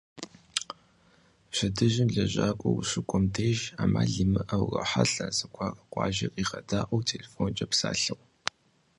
Пщэдджыжьым лэжьакӏуэ ущыкӏуэм деж, ӏэмал имыӏэу урохьэлӏэ зыгуэр къуажэр къигъэдаӏуэу телефонкӏэ псалъэу.